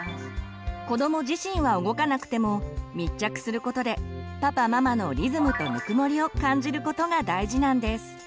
子ども自身は動かなくても密着することでパパママのリズムとぬくもりを感じることが大事なんです。